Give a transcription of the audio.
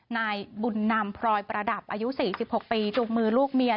นายบุญนำพรอยประดับอายุสี่สิบหกปีจุกมือลูกเมีย